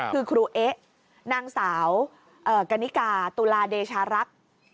คือครูเอ๊ะนางสาวกนิกาตุลาเดชารักษ์